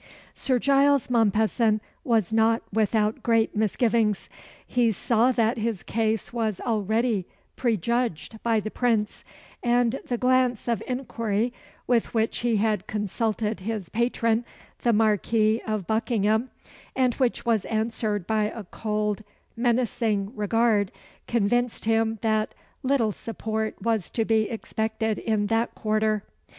Sir Giles Mompesson was not without great misgivings. He saw that his case was already prejudged by the Prince; and the glance of inquiry with which he had consulted his patron, the Marquis of Buckingham, and which was answered by a cold, menacing regard, convinced him that little support was to be expected in that quarter.